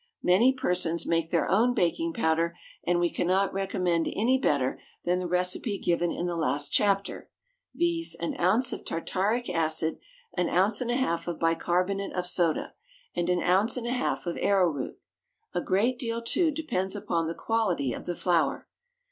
Many persons make their own baking powder, and we cannot recommend any better than the recipe given in the last chapter, viz., an ounce of tartaric acid, an ounce and a half of bicarbonate of soda, and an ounce and a half of arrowroot. A great deal, too, depends upon the quality of the flour.